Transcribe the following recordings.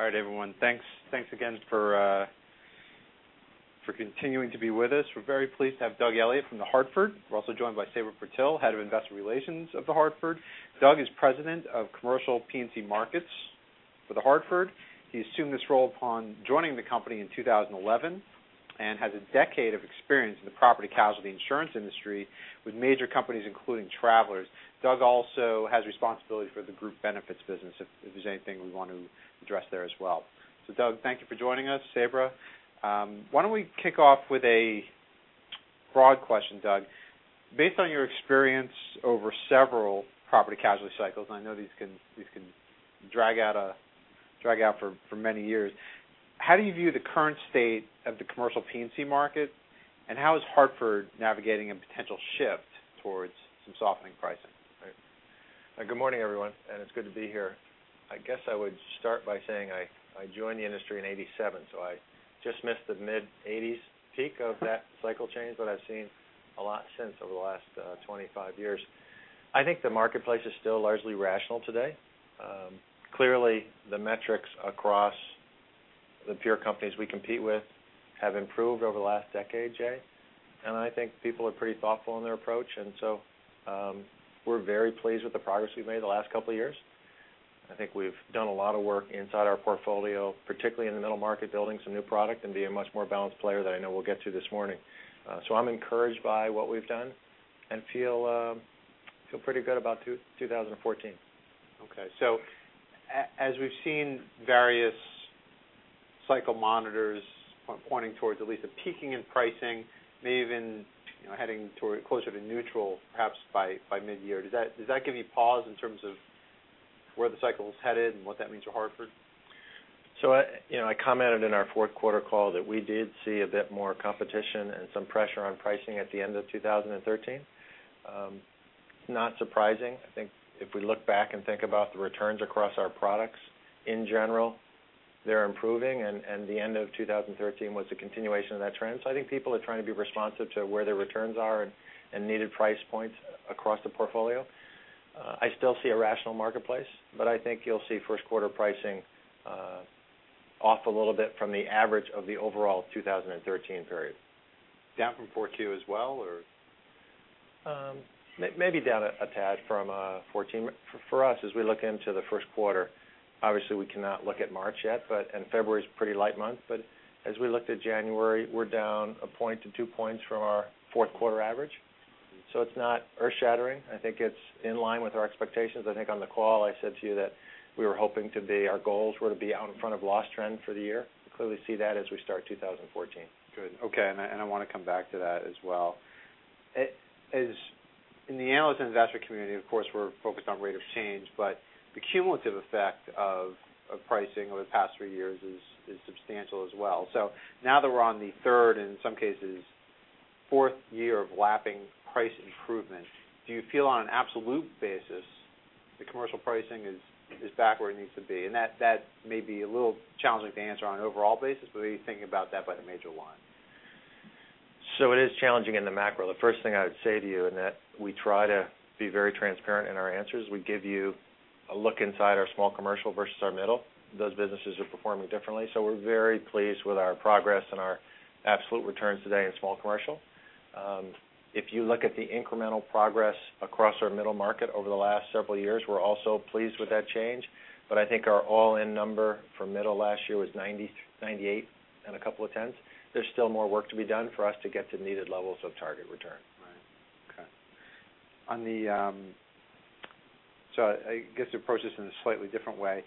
All right, everyone. Thanks again for continuing to be with us. We're very pleased to have Doug Elliot from The Hartford. We're also joined by Sabra Purtill, Head of Investor Relations of The Hartford. Doug is President of Commercial P&C Markets for The Hartford. He assumed this role upon joining the company in 2011 and has a decade of experience in the property casualty insurance industry with major companies, including Travelers. Doug also has responsibility for the Group Benefits business, if there's anything we want to address there as well. Doug, thank you for joining us. Sabra. Why don't we kick off with a broad question, Doug. Based on your experience over several property casualty cycles, and I know these can drag out for many years, how do you view the current state of the Commercial P&C market, and how is Hartford navigating a potential shift towards some softening pricing? Good morning, everyone, and it's good to be here. I guess I would start by saying I joined the industry in 1987, I just missed the mid-1980s peak of that cycle change, but I've seen a lot since over the last 25 years. I think the marketplace is still largely rational today. Clearly, the metrics across the peer companies we compete with have improved over the last decade, Jay, and I think people are pretty thoughtful in their approach. We're very pleased with the progress we've made in the last couple of years. I think we've done a lot of work inside our portfolio, particularly in the middle market, building some new product and being a much more balanced player that I know we'll get to this morning. I'm encouraged by what we've done and feel pretty good about 2014. Okay. As we've seen various cycle monitors pointing towards at least a peaking in pricing, maybe even heading closer to neutral, perhaps by mid-year, does that give you pause in terms of where the cycle's headed and what that means for Hartford? I commented in our fourth quarter call that we did see a bit more competition and some pressure on pricing at the end of 2013. Not surprising. I think if we look back and think about the returns across our products, in general, they're improving, and the end of 2013 was a continuation of that trend. I think people are trying to be responsive to where their returns are and needed price points across the portfolio. I still see a rational marketplace, but I think you'll see first quarter pricing off a little bit from the average of the overall 2013 period. Down from 4Q as well? Maybe down a tad from 2014. For us, as we look into the first quarter, obviously, we cannot look at March yet, and February's a pretty light month, but as we looked at January, we're down one point to two points from our fourth quarter average. It's not earth-shattering. I think it's in line with our expectations. I think on the call, I said to you that our goals were to be out in front of loss trend for the year. We clearly see that as we start 2014. Good. Okay. I want to come back to that as well. In the analyst and investor community, of course, we're focused on rate of change, but the cumulative effect of pricing over the past three years is substantial as well. Now that we're on the third, and in some cases, fourth year of lapping price improvement, do you feel, on an absolute basis, the commercial pricing is back where it needs to be? That may be a little challenging to answer on an overall basis, but are you thinking about that by the major line? It is challenging in the macro. The first thing I would say to you in that we try to be very transparent in our answers. We give you a look inside our small commercial versus our middle. Those businesses are performing differently. We're very pleased with our progress and our absolute returns today in small commercial. If you look at the incremental progress across our middle market over the last several years, we're also pleased with that change, I think our all-in number for middle last year was 98 and a couple of tens. There's still more work to be done for us to get to needed levels of target return. Right. Okay. I guess to approach this in a slightly different way,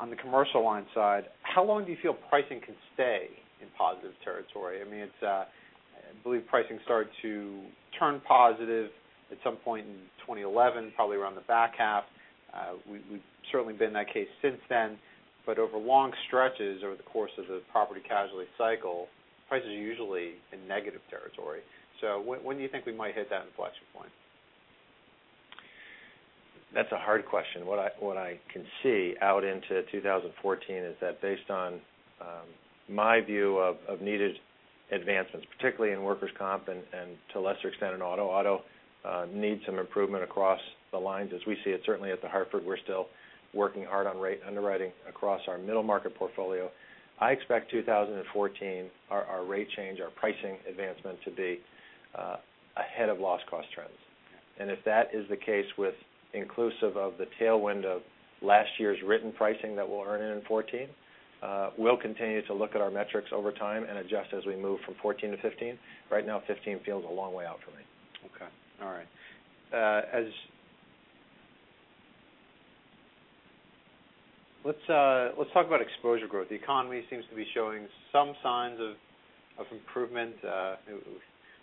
on the commercial line side, how long do you feel pricing can stay in positive territory? I believe pricing started to turn positive at some point in 2011, probably around the back half. We've certainly been in that case since then, over long stretches, over the course of the property casualty cycle, prices are usually in negative territory. When do you think we might hit that inflection point? That's a hard question. What I can see out into 2014 is that based on my view of needed advancements, particularly in workers' comp and to a lesser extent in auto. Auto needs some improvement across the lines as we see it. Certainly at The Hartford, we're still working hard on underwriting across our middle market portfolio. I expect 2014, our rate change, our pricing advancement to be ahead of loss cost trends. Okay. If that is the case with inclusive of the tailwind of last year's written pricing that we'll earn in in 2014, we'll continue to look at our metrics over time and adjust as we move from 2014 to 2015. Right now 2015 feels a long way out for me. Okay. All right. Let's talk about exposure growth. The economy seems to be showing some signs of improvement.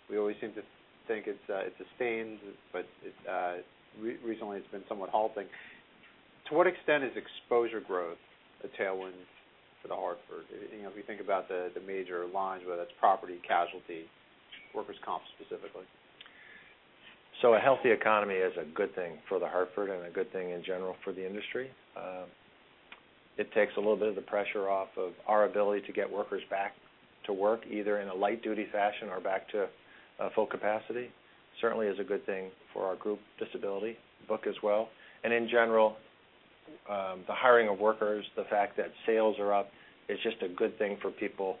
We always seem to think it's sustained, but recently it's been somewhat halting. To what extent is exposure growth a tailwind for The Hartford? If you think about the major lines, whether that's property, casualty, workers' comp specifically. A healthy economy is a good thing for The Hartford and a good thing in general for the industry. It takes a little bit of the pressure off of our ability to get workers back to work, either in a light duty fashion or back to full capacity. Certainly is a good thing for our group disability book as well. In general, the hiring of workers, the fact that sales are up, is just a good thing for people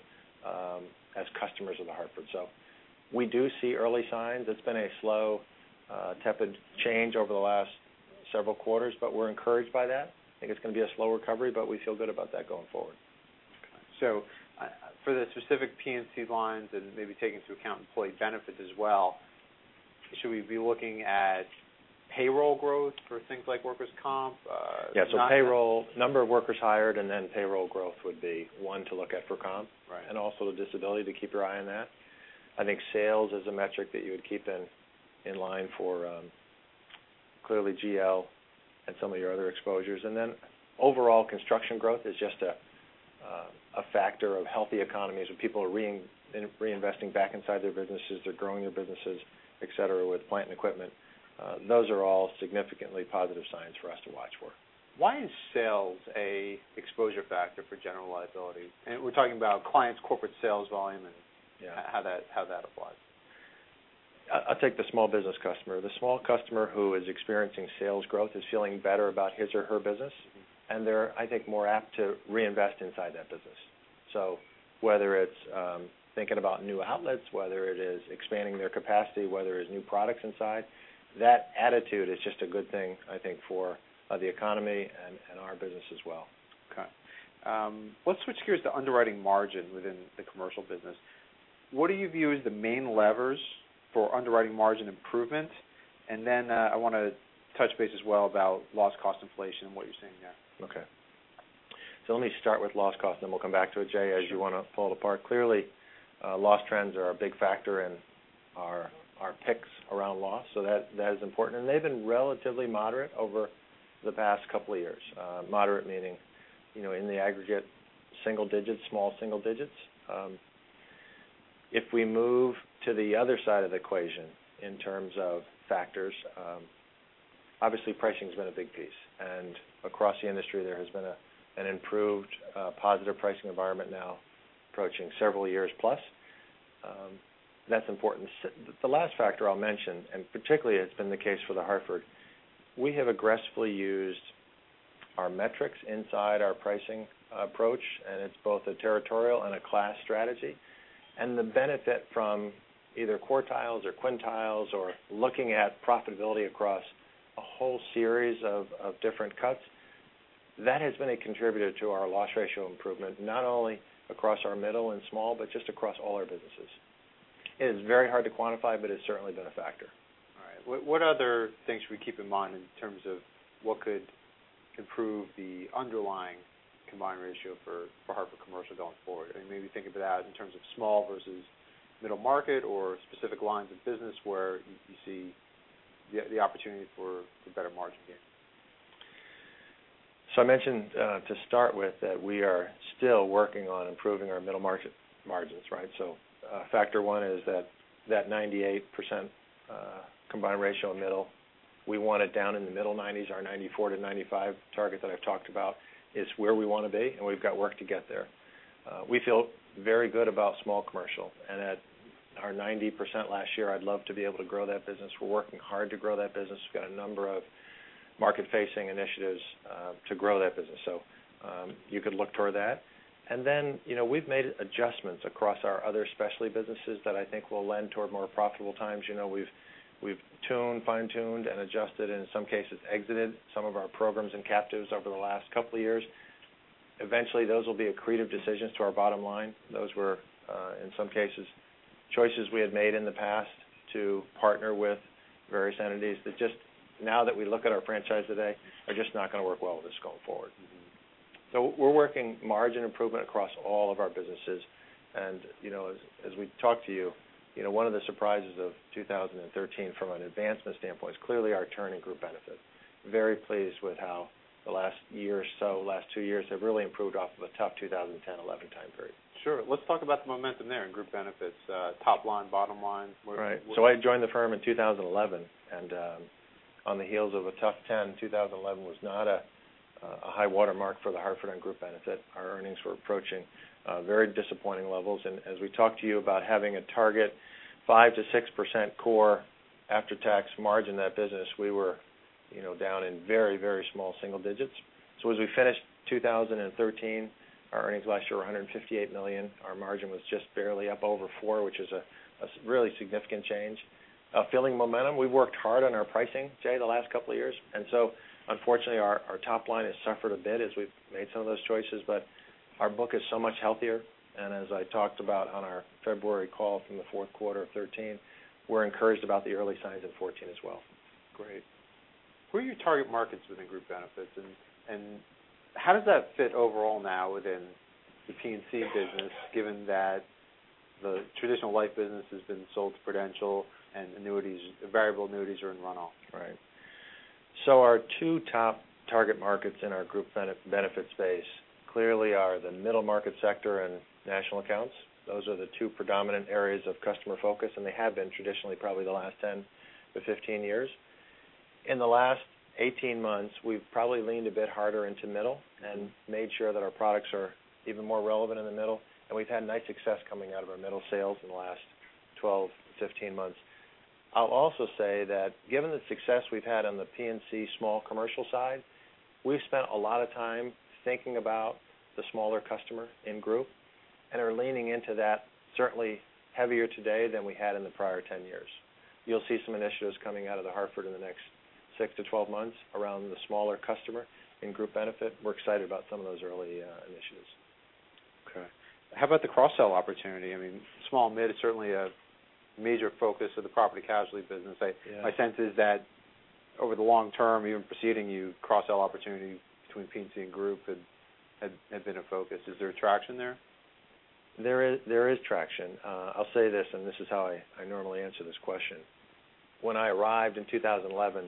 as customers of The Hartford. We do see early signs. It's been a slow, tepid change over the last several quarters, but we're encouraged by that. I think it's going to be a slow recovery, but we feel good about that going forward. Okay. For the specific P&C lines and maybe taking into account employee benefits as well, should we be looking at payroll growth for things like workers' comp? Yeah. Number of workers hired, and then payroll growth would be one to look at for comp. Right. Also the disability, to keep your eye on that. I think sales is a metric that you would keep in line for, clearly, GL and some of your other exposures. Then overall construction growth is just a factor of healthy economies, where people are reinvesting back inside their businesses. They're growing their businesses, et cetera, with plant and equipment. Those are all significantly positive signs for us to watch for. Why is sales an exposure factor for general liability? We're talking about clients' corporate sales volume. Yeah how that applies. I'll take the small business customer. The small customer who is experiencing sales growth is feeling better about his or her business, and they're, I think, more apt to reinvest inside that business. Whether it's thinking about new outlets, whether it is expanding their capacity, whether it's new products inside, that attitude is just a good thing, I think, for the economy and our business as well. Okay. Let's switch gears to underwriting margin within the commercial business. What do you view as the main levers for underwriting margin improvement? I want to touch base as well about loss cost inflation and what you're seeing there. Okay. Let me start with loss cost, and then we'll come back to it, Jay, as you want to pull it apart. Clearly, loss trends are a big factor in our picks around loss, so that is important. They've been relatively moderate over the past couple of years. Moderate meaning, in the aggregate, single digits, small single digits. If we move to the other side of the equation in terms of factors, obviously pricing's been a big piece, and across the industry, there has been an improved, positive pricing environment now approaching several years plus. That's important. The last factor I'll mention, and particularly it's been the case for The Hartford, we have aggressively used our metrics inside our pricing approach, and it's both a territorial and a class strategy. The benefit from either quartiles or quintiles or looking at profitability across a whole series of different cuts, that has been a contributor to our loss ratio improvement, not only across our middle and small, but just across all our businesses. It is very hard to quantify, but it's certainly been a factor. All right. What other things should we keep in mind in terms of what could improve the underlying combined ratio for Hartford Commercial going forward? Maybe think of that in terms of small versus middle market or specific lines of business where you see the opportunity for better margin gains. I mentioned to start with that we are still working on improving our middle market margins, right? Factor one is that that 98% combined ratio in middle, we want it down in the middle 90s, our 94%-95% target that I've talked about is where we want to be, and we've got work to get there. We feel very good about small commercial and at our 90% last year, I'd love to be able to grow that business. We're working hard to grow that business. We've got a number of market-facing initiatives to grow that business. You could look toward that. We've made adjustments across our other specialty businesses that I think will lend toward more profitable times. We've fine-tuned and adjusted, and in some cases, exited some of our programs and captives over the last couple of years. Eventually, those will be accretive decisions to our bottom line. Those were, in some cases, choices we had made in the past to partner with various entities that just now that we look at our franchise today, are just not going to work well with us going forward. We're working margin improvement across all of our businesses. As we've talked to you, one of the surprises of 2013 from an advancement standpoint is clearly our turn in Group Benefits. Very pleased with how the last year or so, last two years, have really improved off of a tough 2010, 2011 time period. Sure. Let's talk about the momentum there in Group Benefits. Top line, bottom line. Right. I joined the firm in 2011, on the heels of a tough 2010, 2011 was not a high water mark for The Hartford on Group Benefits. Our earnings were approaching very disappointing levels. As we talked to you about having a target 5%-6% after-tax profit margin in that business, we were down in very, very small single digits. As we finished 2013, our earnings last year were $158 million. Our margin was just barely up over 4%, which is a really significant change. Feeling momentum, we've worked hard on our pricing, Jay, the last couple of years. Unfortunately, our top line has suffered a bit as we've made some of those choices, our book is so much healthier. As I talked about on our February call from the fourth quarter of 2013, we're encouraged about the early signs in 2014 as well. Great. Who are your target markets within Group Benefits? How does that fit overall now within the P&C business, given that the traditional life business has been sold to Prudential and variable annuities are in run-off? Right. Our two top target markets in our Group Benefits space clearly are the middle market sector and national accounts. Those are the two predominant areas of customer focus. They have been traditionally probably the last 10-15 years. In the last 18 months, we've probably leaned a bit harder into middle and made sure that our products are even more relevant in the middle. We've had nice success coming out of our middle sales in the last 12, 15 months. I'll also say that given the success we've had on the P&C small commercial side, we've spent a lot of time thinking about the smaller customer in Group and are leaning into that certainly heavier today than we had in the prior 10 years. You'll see some initiatives coming out of The Hartford in the next six to 12 months around the smaller customer in Group Benefits. We're excited about some of those early initiatives. Okay. How about the cross-sell opportunity? Small Mid is certainly a major focus of the Property Casualty business. Yeah. My sense is that over the long term, even preceding you, cross-sell opportunity between P&C and Group had been a focus. Is there traction there? There is traction. I'll say this is how I normally answer this question. When I arrived in 2011,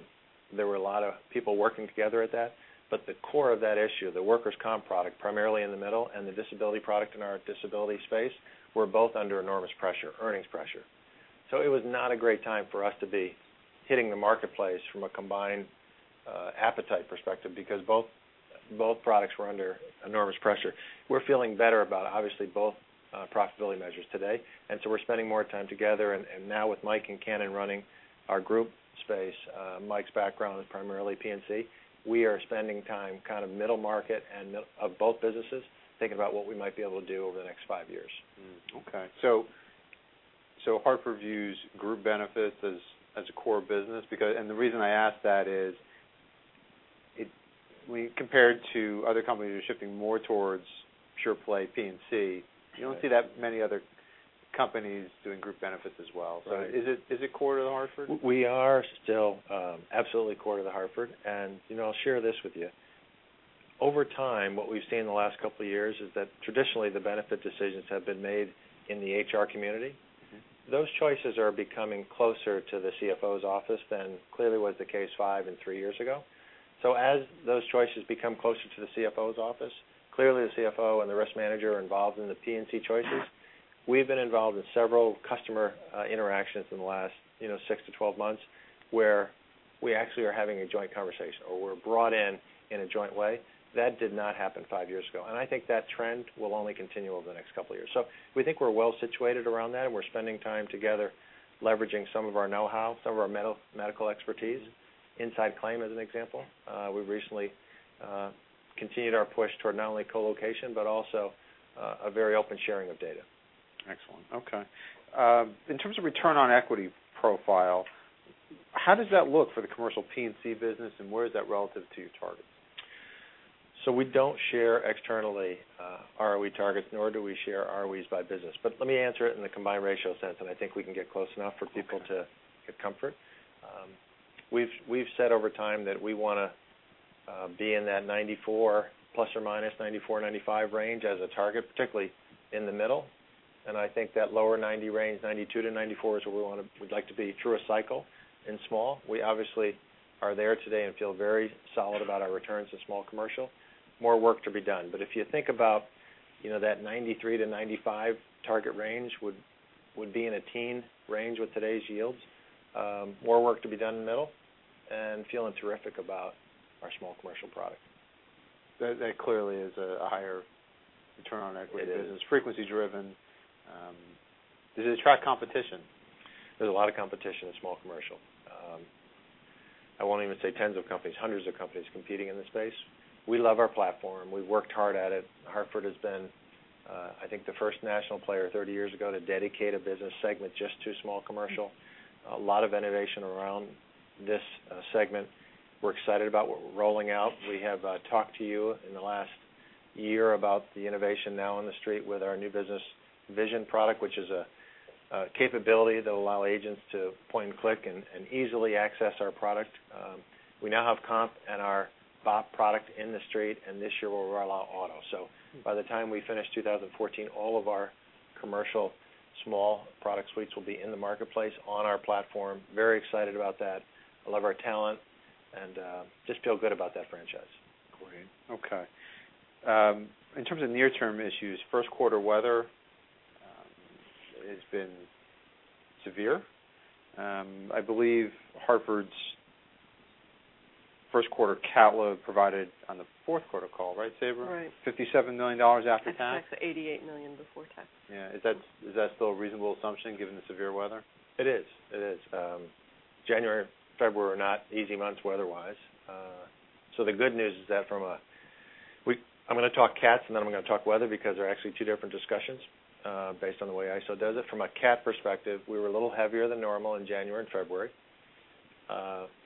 there were a lot of people working together at that, the core of that issue, the workers' comp product, primarily in the Middle Market, and the disability product in our disability space, were both under enormous pressure, earnings pressure. It was not a great time for us to be hitting the marketplace from a combined appetite perspective because both products were under enormous pressure. We're feeling better about, obviously, both profitability measures today, we're spending more time together, now with Mike Concannon running our Group space, Mike's background is primarily P&C. We are spending time kind of middle market of both businesses, thinking about what we might be able to do over the next five years. Okay. Hartford views Group Benefits as a core business because, and the reason I ask that is when compared to other companies who are shifting more towards pure play P&C, you don't see that many other companies doing Group Benefits as well. Right. Is it core to The Hartford? We are still absolutely core to The Hartford. I'll share this with you. Over time, what we've seen in the last couple of years is that traditionally the benefit decisions have been made in the HR community. Those choices are becoming closer to the CFO's office than clearly was the case five and three years ago. As those choices become closer to the CFO's office, clearly the CFO and the risk manager are involved in the P&C choices. We've been involved with several customer interactions in the last six to 12 months where we actually are having a joint conversation, or we're brought in in a joint way. That did not happen five years ago. I think that trend will only continue over the next couple of years. We think we're well-situated around that, and we're spending time together leveraging some of our knowhow, some of our medical expertise, inside claim as an example. We've recently continued our push toward not only co-location but also a very open sharing of data. Excellent. Okay. In terms of return on equity profile, how does that look for the Commercial P&C business, and where is that relative to your targets? We don't share externally ROE targets, nor do we share ROEs by business. Let me answer it in the combined ratio sense, and I think we can get close enough for people to get comfort. We've said over time that we want to be in that plus or minus 94-95 range as a target, particularly in the middle. I think that lower 90 range, 92-94, is where we'd like to be through a cycle in small. We obviously are there today and feel very solid about our returns in small commercial. More work to be done. If you think about that 93-95 target range would be in a teen range with today's yields. More work to be done in the middle and feeling terrific about our small commercial product. That clearly is a higher return on equity business. It is. Frequency driven. Does it attract competition? There's a lot of competition in small commercial. I won't even say tens of companies, hundreds of companies competing in this space. We love our platform. We've worked hard at it. Hartford has been, I think, the first national player 30 years ago to dedicate a business segment just to small commercial. A lot of innovation around this segment. We have talked to you in the last year about the innovation now in the street with our New Business Vision product, which is a capability that allow agents to point and click and easily access our product. We now have comp and our BOP product in the street, and this year we'll roll out auto. By the time we finish 2014, all of our commercial small product suites will be in the marketplace on our platform. Very excited about that. I love our talent and just feel good about that franchise. Great. Okay. In terms of near-term issues, first quarter weather has been severe. I believe Hartford's first quarter catastrophe load provided on the fourth quarter call, right, Sabra? Right. $57 million after tax? After tax, $88 million before tax. Yeah. Is that still a reasonable assumption given the severe weather? It is. January and February were not easy months weather-wise. The good news is that from a, I'm going to talk Cats and then I'm going to talk weather because they're actually two different discussions based on the way ISO does it. From a Cat perspective, we were a little heavier than normal in January and February.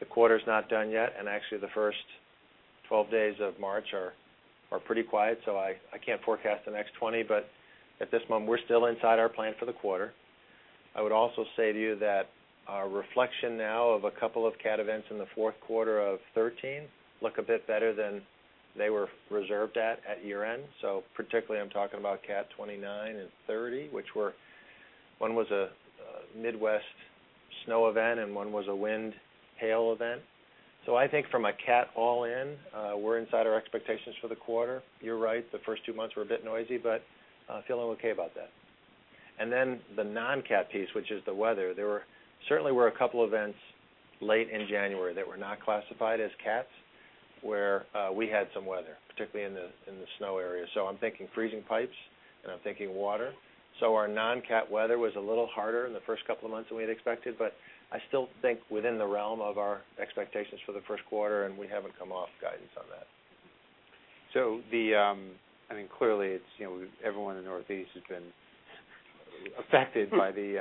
The quarter's not done yet, and actually the first 12 days of March are pretty quiet, so I can't forecast the next 20, but at this moment, we're still inside our plan for the quarter. I would also say to you that our reflection now of a couple of Cat events in the fourth quarter of 2013 look a bit better than they were reserved at year-end. Particularly I'm talking about Cat 29 and 30, which one was a Midwest snow event and one was a wind, hail event. I think from a Cat all-in, we're inside our expectations for the quarter. You're right, the first two months were a bit noisy, but feeling okay about that. The non-Cat piece, which is the weather. There certainly were a couple events late in January that were not classified as Cats, where we had some weather, particularly in the snow area. I'm thinking freezing pipes, and I'm thinking water. Our non-Cat weather was a little harder in the first couple of months than we had expected, but I still think within the realm of our expectations for the first quarter, and we haven't come off guidance on that. Clearly, everyone in the Northeast has been affected by the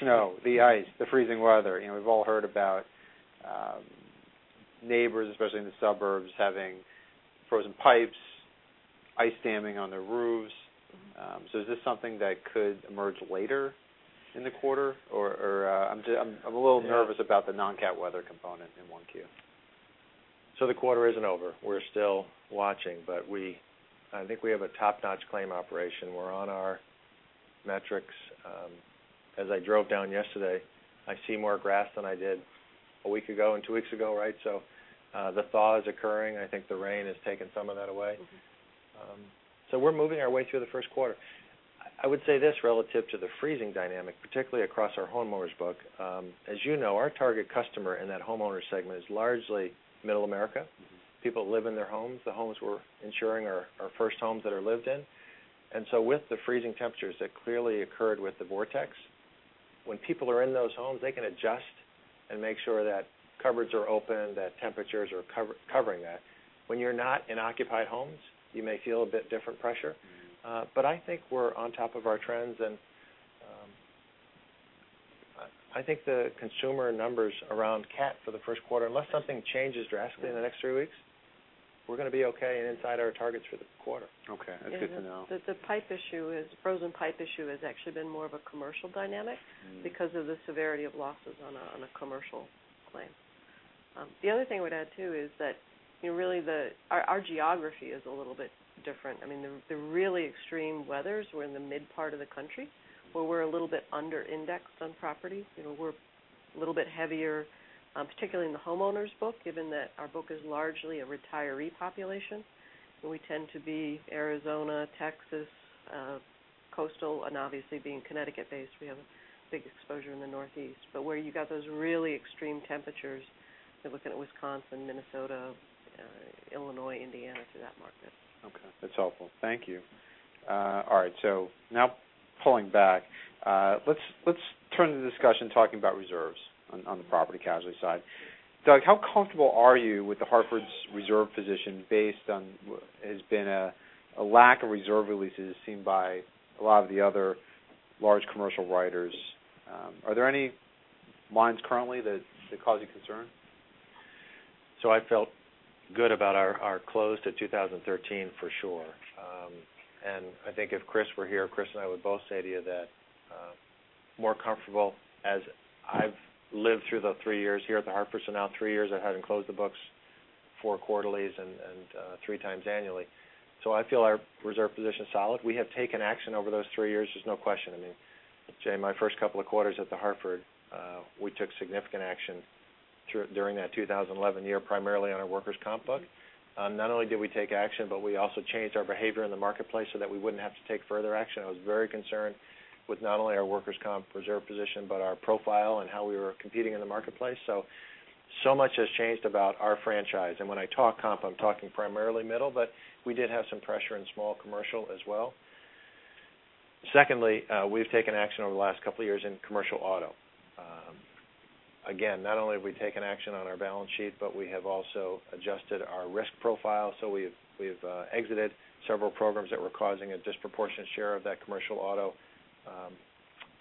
snow, the ice, the freezing weather. We've all heard about neighbors, especially in the suburbs, having frozen pipes, ice damming on their roofs. Is this something that could emerge later in the quarter? I'm a little nervous about the non-catastrophe weather component in 1Q. The quarter isn't over. We're still watching, but I think we have a top-notch claim operation. We're on our metrics. As I drove down yesterday, I see more grass than I did a week ago and two weeks ago. The thaw is occurring. I think the rain has taken some of that away. We're moving our way through the first quarter. I would say this relative to the freezing dynamic, particularly across our homeowners book. As you know, our target customer in that homeowner segment is largely Middle America. People live in their homes. The homes we're insuring are first homes that are lived in. With the freezing temperatures that clearly occurred with the vortex, when people are in those homes, they can adjust and make sure that cupboards are open, that temperatures are covering that. When you're not in occupied homes, you may feel a bit different pressure. I think we're on top of our trends, and I think the consumer numbers around CAT for the first quarter, unless something changes drastically in the next three weeks, we're going to be okay and inside our targets for the quarter. Okay. That's good to know. The frozen pipe issue has actually been more of a commercial dynamic because of the severity of losses on a commercial claim. The other thing I would add, too, is that our geography is a little bit different. The really extreme weathers were in the mid part of the country, where we're a little bit under-indexed on property. We're a little bit heavier, particularly in the Homeowners book, given that our book is largely a retiree population. We tend to be Arizona, Texas, coastal, and obviously being Connecticut-based, we have a big exposure in the Northeast. Where you got those really extreme temperatures, you're looking at Wisconsin, Minnesota, Illinois, Indiana, so that market. That's helpful. Thank you. Now pulling back, let's turn to the discussion talking about reserves on the property casualty side. Doug, how comfortable are you with The Hartford's reserve position based on what has been a lack of reserve releases seen by a lot of the other large commercial writers? Are there any lines currently that cause you concern? I felt good about our close to 2013, for sure. I think if Chris were here, Chris and I would both say to you that more comfortable as I've lived through the three years here at The Hartford so now three years of having closed the books four quarterlies and three times annually. I feel our reserve position is solid. We have taken action over those three years, there's no question. Jay, my first couple of quarters at The Hartford, we took significant action during that 2011 year, primarily on our workers' comp book. Not only did we take action, but we also changed our behavior in the marketplace so that we wouldn't have to take further action. I was very concerned with not only our workers' comp reserve position, but our profile and how we were competing in the marketplace. Much has changed about our franchise. When I talk comp, I'm talking primarily middle, but we did have some pressure in Small Commercial as well. Secondly, we've taken action over the last couple of years in Commercial Auto. Again, not only have we taken action on our balance sheet, but we have also adjusted our risk profile. We've exited several programs that were causing a disproportionate share of that Commercial Auto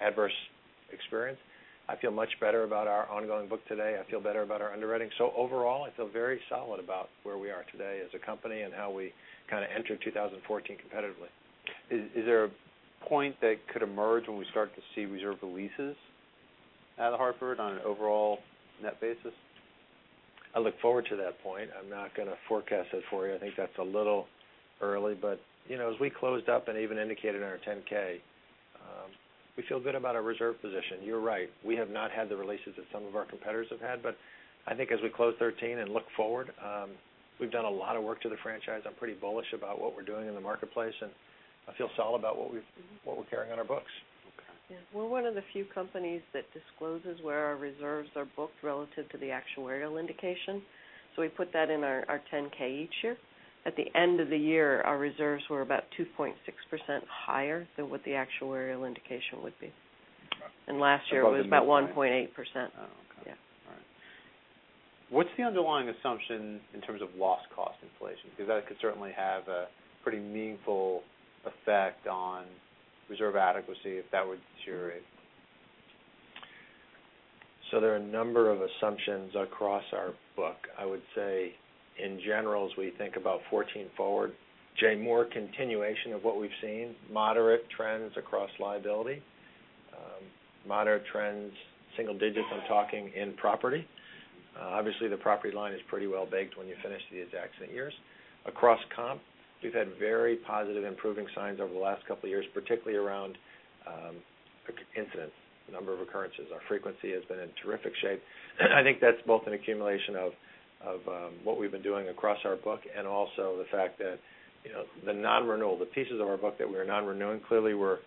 adverse experience. I feel much better about our ongoing book today. I feel better about our underwriting. Overall, I feel very solid about where we are today as a company and how we kind of enter 2014 competitively. Is there a point that could emerge when we start to see reserve releases out of The Hartford on an overall net basis? I look forward to that point. I'm not going to forecast that for you. I think that's a little early. As we closed up and even indicated in our 10-K, we feel good about our reserve position. You're right. We have not had the releases that some of our competitors have had. I think as we close 2013 and look forward, we've done a lot of work to the franchise. I'm pretty bullish about what we're doing in the marketplace, and I feel solid about what we're carrying on our books. Okay. We're one of the few companies that discloses where our reserves are booked relative to the actuarial indication. We put that in our 10-K each year. At the end of the year, our reserves were about 2.6% higher than what the actuarial indication would be. Last year it was about 1.8%. Oh, okay. All right. What's the underlying assumption in terms of loss cost inflation? Because that could certainly have a pretty meaningful effect on reserve adequacy if that were to deteriorate. There are a number of assumptions across our book. I would say in general, as we think about 2014 forward, Jay, more continuation of what we've seen, moderate trends across liability, moderate trends, single digits I'm talking in property. Obviously, the property line is pretty well baked when you finish these accident year. Across comp, we've had very positive improving signs over the last couple of years, particularly around incidents, number of occurrences. Our frequency has been in terrific shape. I think that's both an accumulation of what we've been doing across our book and also the fact that the non-renewal, the pieces of our book that we are non-renewing, clearly were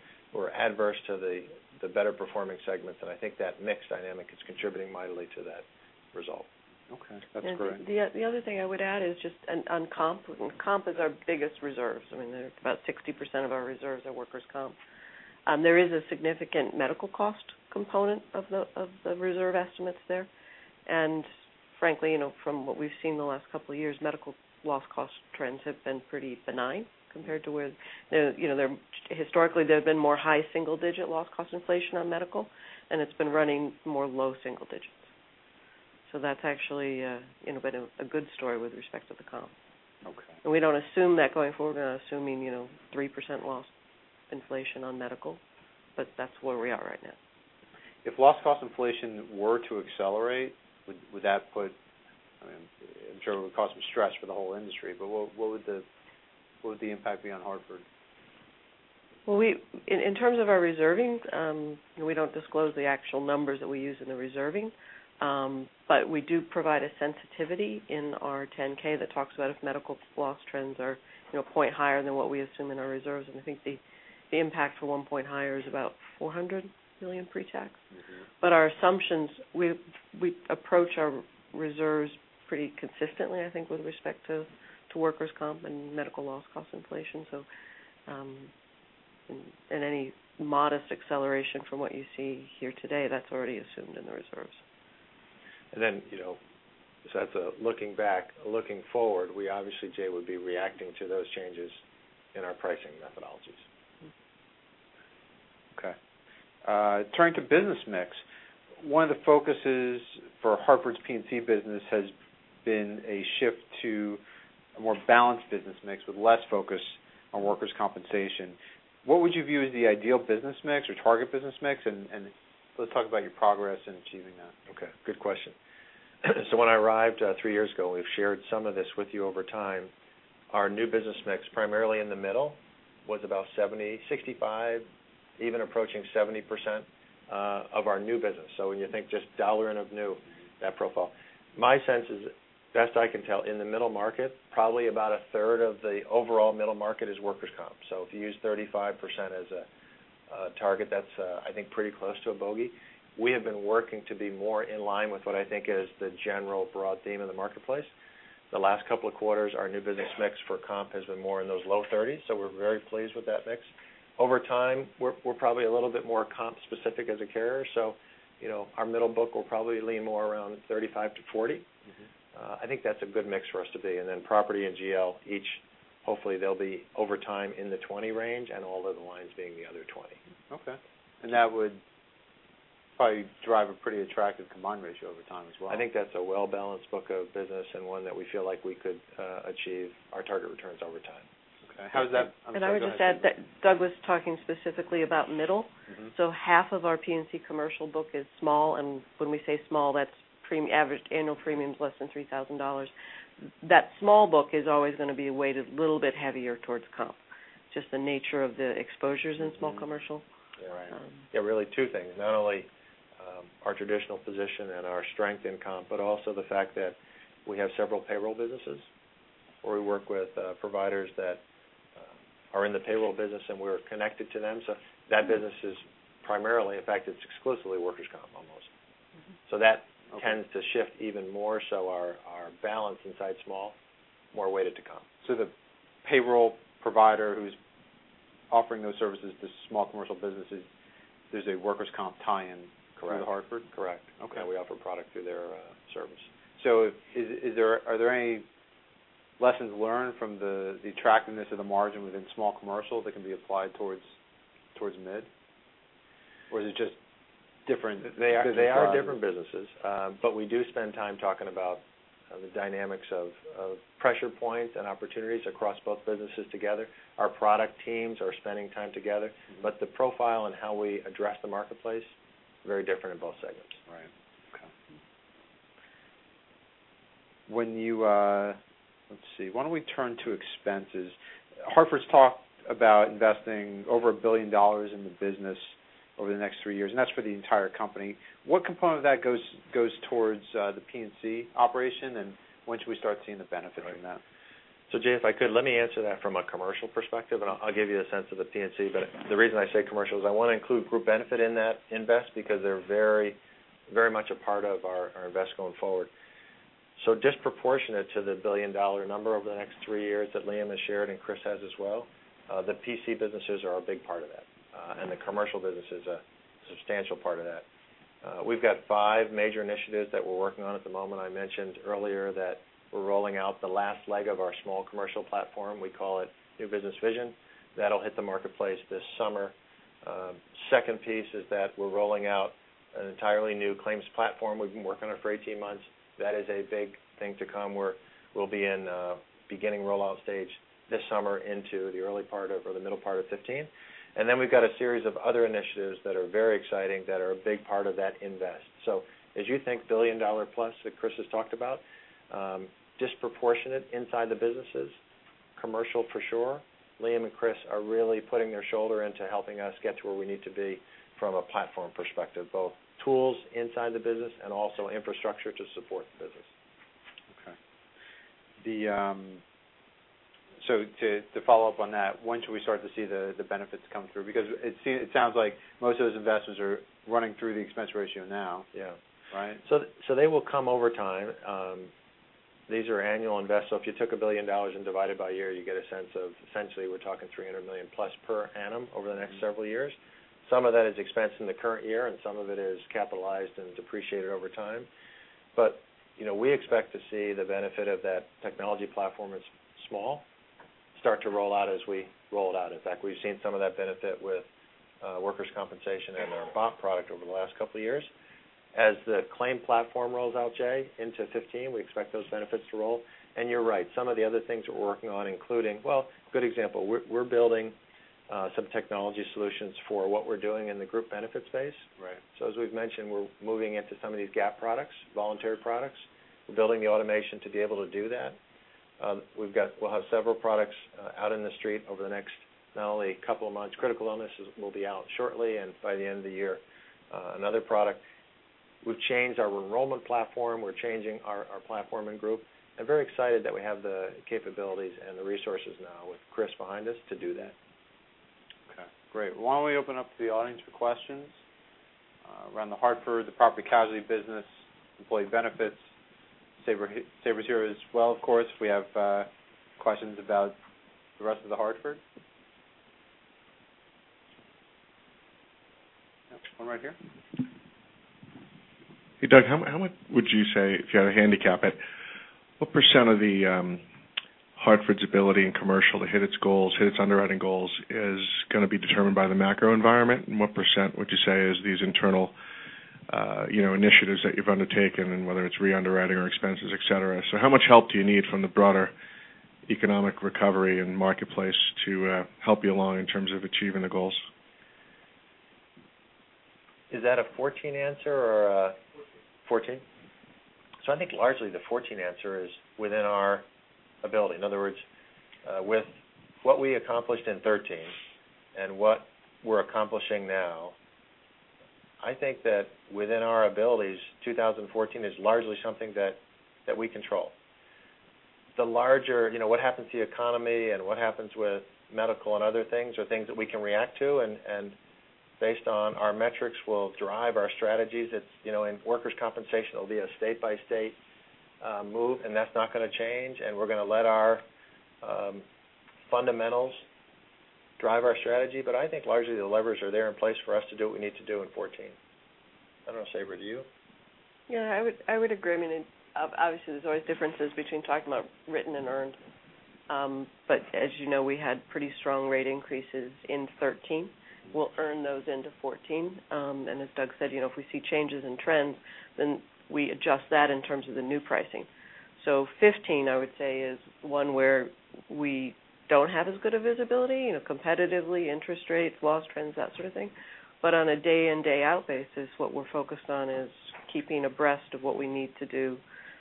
adverse to the better performing segments. I think that mix dynamic is contributing mildly to that result. Okay. That's great. The other thing I would add is just on comp. Comp is our biggest reserves. I mean, about 60% of our reserves are workers' comp. There is a significant medical cost component of the reserve estimates there. Frankly, from what we've seen the last couple of years, medical loss cost trends have been pretty benign compared to where historically there have been more high single digit loss cost inflation on medical, and it's been running more low single digits. That's actually been a good story with respect to the comp. Okay. We don't assume that going forward. We're going to assuming 3% loss inflation on medical, that's where we are right now. If loss cost inflation were to accelerate, I'm sure it would cause some stress for the whole industry, what would the impact be on Hartford? Well, in terms of our reserving, we don't disclose the actual numbers that we use in the reserving. We do provide a sensitivity in our 10-K that talks about if medical loss trends are a point higher than what we assume in our reserves. I think the impact for one point higher is about $400 million pre-tax. Our assumptions, we approach our reserves pretty consistently, I think, with respect to workers' comp and medical loss cost inflation. Any modest acceleration from what you see here today, that's already assumed in the reserves. That's looking back. Looking forward, we obviously, Jay, would be reacting to those changes in our pricing methodologies. Okay. Turning to business mix, one of the focuses for The Hartford's P&C business has been a shift to a more balanced business mix with less focus on workers' compensation. What would you view as the ideal business mix or target business mix? Let's talk about your progress in achieving that. Okay. Good question. When I arrived three years ago, we've shared some of this with you over time. Our new business mix, primarily in the middle, was about 70, 65, even approaching 70% of our new business. When you think just dollar in of new, that profile. My sense is, best I can tell, in the middle market, probably about a third of the overall middle market is workers' comp. If you use 35% as a target, that's, I think, pretty close to a bogey. We have been working to be more in line with what I think is the general broad theme in the marketplace. The last couple of quarters, our new business mix for comp has been more in those low 30s, we're very pleased with that mix. Over time, we're probably a little bit more comp specific as a carrier, our middle book will probably lean more around 35 to 40. I think that's a good mix for us to be. Then property and GL, each, hopefully they'll be over time in the 20 range and all other lines being the other 20. Okay. That would probably drive a pretty attractive combined ratio over time as well. I think that's a well-balanced book of business and one that we feel like we could achieve our target returns over time. Okay. How does that. I would just add that Doug was talking specifically about middle. Half of our P&C commercial book is small, and when we say small, that's average annual premium's less than $3,000. That small book is always going to be weighted a little bit heavier towards comp, just the nature of the exposures in small commercial. Really two things. Not only our traditional position and our strength in comp, but also the fact that we have several payroll businesses, where we work with providers that are in the payroll business, and we're connected to them. That business is primarily, in fact, it's exclusively workers' comp almost. That tends to shift even more so our balance inside small, more weighted to comp. The payroll provider who's offering those services to small commercial businesses, there's a workers' comp tie-in. Correct through The Hartford? Correct. Okay. Yeah, we offer product through their service. Are there any lessons learned from the attractiveness of the margin within small commercial that can be applied towards mid? Is it just different business models? They are different businesses. We do spend time talking about the dynamics of pressure points and opportunities across both businesses together. Our product teams are spending time together. The profile and how we address the marketplace, very different in both segments. Right. Okay. Let's see. Why don't we turn to expenses? The Hartford's talked about investing over $1 billion in the business over the next 3 years, and that's for the entire company. What component of that goes towards the P&C operation, and when should we start seeing the benefit from that? Jay, if I could, let me answer that from a commercial perspective, and I'll give you a sense of the P&C. The reason I say commercial is I want to include Group Benefits in that invest because they're very much a part of our invest going forward. Disproportionate to the $1 billion number over the next 3 years that Liam has shared, and Chris has as well, the P&C businesses are a big part of that, and the commercial business is a substantial part of that. We've got 5 major initiatives that we're working on at the moment. I mentioned earlier that we're rolling out the last leg of our small commercial platform. We call it New Business Vision. That'll hit the marketplace this summer. Second piece is that we're rolling out an entirely new claims platform. We've been working on it for 18 months. That is a big thing to come, where we'll be in beginning rollout stage this summer into the early part of, or the middle part of 2015. Then we've got a series of other initiatives that are very exciting that are a big part of that invest. As you think $1 billion plus that Chris has talked about, disproportionate inside the businesses. Commercial for sure. Liam and Chris are really putting their shoulder into helping us get to where we need to be from a platform perspective, both tools inside the business and also infrastructure to support the business. Okay. To follow up on that, when should we start to see the benefits come through? Because it sounds like most of those invests are running through the expense ratio now. Yeah. Right? They will come over time. These are annual invests. If you took $1 billion and divided by year, you get a sense of, essentially, we're talking $300 million plus per annum over the next several years. Some of that is expensed in the current year, and some of it is capitalized and depreciated over time. We expect to see the benefit of that technology platform as small, start to roll out as we roll it out. In fact, we've seen some of that benefit with workers' comp and our BOP product over the last couple of years. As the claim platform rolls out, Jay, into 2015, we expect those benefits to roll. You're right, some of the other things that we're working on including, good example, we're building some technology solutions for what we're doing in the Group Benefits space. Right. As we've mentioned, we're moving into some of these gap products, voluntary products. We're building the automation to be able to do that. We'll have several products out in the street over the next not only couple of months. Critical Illness will be out shortly, and by the end of the year, another product. We've changed our enrollment platform. We're changing our platform in Group, and very excited that we have the capabilities and the resources now with Chris behind us to do that. Okay, great. Why don't we open up to the audience for questions around The Hartford, the property casualty business, Group Benefits, Sabra here as well, of course, if we have questions about the rest of The Hartford. One right here. Hey, Doug, how much would you say, if you had to handicap it, what % of The Hartford's ability in commercial to hit its goals, hit its underwriting goals, is going to be determined by the macro environment, and what % would you say is these internal initiatives that you've undertaken, and whether it's re-underwriting or expenses, et cetera? How much help do you need from the broader economic recovery and marketplace to help you along in terms of achieving the goals? Is that a 2014 answer or? '14. 2014. I think largely the 2014 answer is within our ability. In other words, with what we accomplished in 2013 and what we're accomplishing now, I think that within our abilities, 2014 is largely something that we control. The larger, what happens to the economy and what happens with medical and other things, are things that we can react to and based on our metrics, will drive our strategies. In workers' compensation, it'll be a state-by-state move, and that's not going to change, and we're going to let our fundamentals drive our strategy. I think largely the levers are there in place for us to do what we need to do in 2014. I don't know, Sabra, do you? Yeah, I would agree. Obviously, there's always differences between talking about written and earned. As you know, we had pretty strong rate increases in 2013. We'll earn those into 2014. As Doug said, if we see changes in trends, then we adjust that in terms of the new pricing. 2015, I would say, is one where we don't have as good of visibility, competitively, interest rates, loss trends, that sort of thing. On a day in, day out basis, what we're focused on is keeping abreast of what we need to do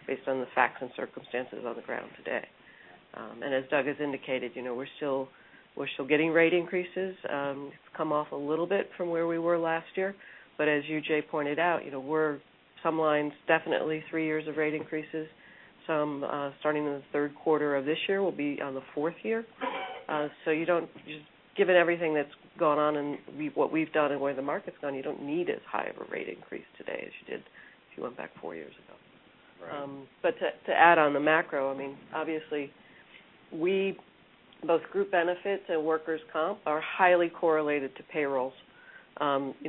based on the facts and circumstances on the ground today. As Doug has indicated, we're still getting rate increases. It's come off a little bit from where we were last year, but as you, Jay, pointed out, some lines, definitely three years of rate increases. Some starting in the third quarter of this year will be on the fourth year. Given everything that's gone on and what we've done and where the market's gone, you don't need as high of a rate increase today as you did if you went back four years ago. Right. To add on the macro, obviously both Group Benefits and workers' comp are highly correlated to payrolls.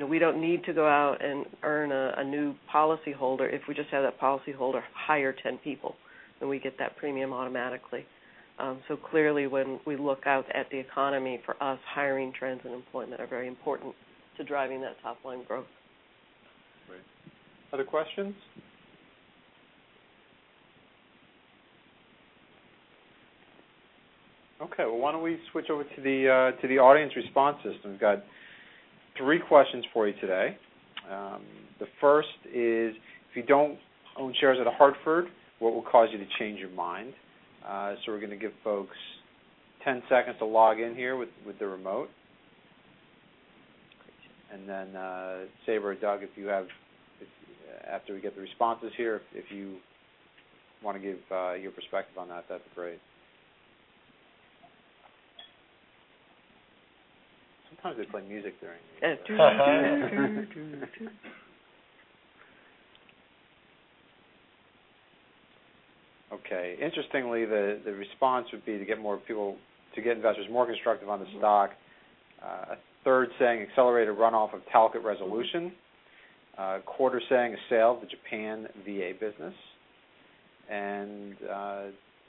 We don't need to go out and earn a new policyholder if we just have that policyholder hire 10 people, then we get that premium automatically. Clearly when we look out at the economy for us, hiring trends and employment are very important to driving that top-line growth. Great. Other questions? Okay. Why don't we switch over to the audience response system. We've got three questions for you today. The first is, if you don't own shares at The Hartford, what will cause you to change your mind? We're going to give folks 10 seconds to log in here with the remote. Great. And then Sabra or Doug Elliot, after we get the responses here, if you want to give your perspective on that's great. Sometimes they play music during these. Okay. Interestingly, the response would be to get investors more constructive on the stock, a third saying accelerated runoff of Talcott Resolution, a quarter saying a sale of the Japan VA business, and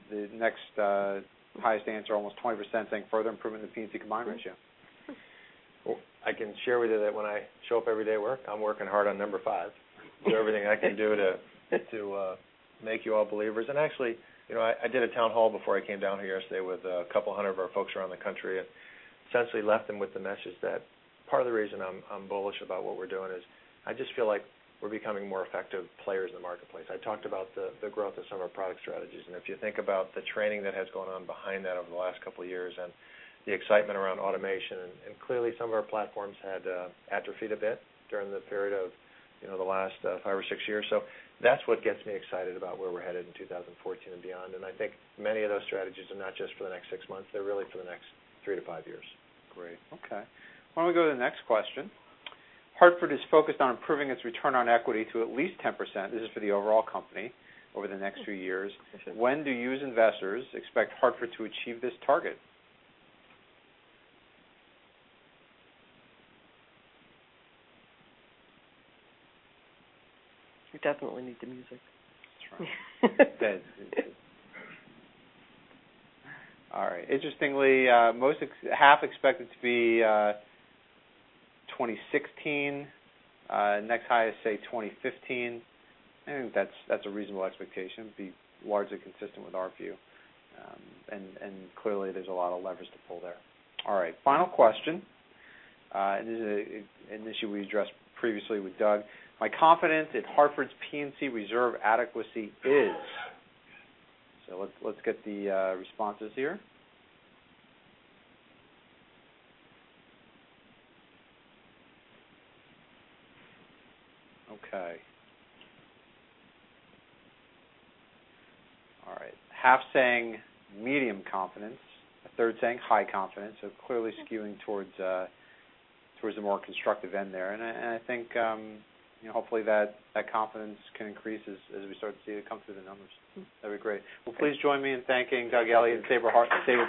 the next highest answer, almost 20%, saying further improvement in the P&C combination. I can share with you that when I show up every day to work, I'm working hard on number five. Do everything I can do to make you all believers. Actually, I did a town hall before I came down here yesterday with a couple hundred of our folks around the country, and essentially left them with the message that part of the reason I'm bullish about what we're doing is I just feel like we're becoming more effective players in the marketplace. I talked about the growth of some of our product strategies, and if you think about the training that has gone on behind that over the last couple of years and the excitement around automation. Clearly, some of our platforms had atrophied a bit during the period of the last five or six years. That's what gets me excited about where we're headed in 2014 and beyond. I think many of those strategies are not just for the next six months, they're really for the next three to five years. Great. Okay. Why don't we go to the next question? Hartford is focused on improving its return on equity to at least 10%, this is for the overall company, over the next few years. When do you, as investors, expect Hartford to achieve this target? We definitely need the music. That's right. It's dead. All right. Interestingly, half expect it to be 2016. Next highest say 2015. I think that's a reasonable expectation. It'd be largely consistent with our view. Clearly, there's a lot of levers to pull there. All right. Final question. This is an issue we addressed previously with Doug. My confidence in Hartford's P&C reserve adequacy is. Let's get the responses here. Okay. All right. Half saying medium confidence, a third saying high confidence. Clearly skewing towards the more constructive end there. I think hopefully that confidence can increase as we start to see it come through the numbers. That'd be great. Well, please join me in thanking Doug Elliot and Sabra Purtill.